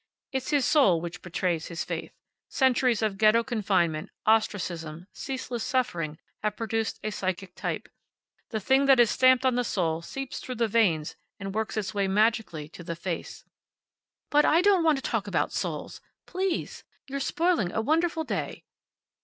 It's his Soul which betrays his faith. Centuries of Ghetto confinement, ostracism, ceaseless suffering, have produced a psychic type. The thing that is stamped on the Soul seeps through the veins and works its way magically to the face '" "But I don't want to talk about souls! Please! You're spoiling a wonderful day."